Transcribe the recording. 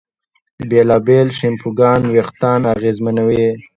بېلابېل شیمپوګان وېښتيان اغېزمنوي.